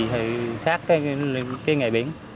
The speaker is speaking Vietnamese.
thì khác cái nghề biển